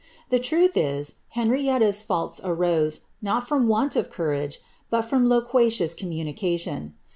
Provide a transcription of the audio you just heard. The truth is, Henrietta's faults arose, not from want of coo rage, but from loquacious communication.